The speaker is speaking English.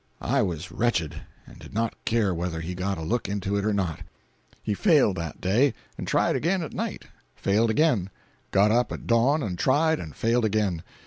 I was wretched, and did not care whether he got a look into it or not. He failed that day, and tried again at night; failed again; got up at dawn and tried, and failed again.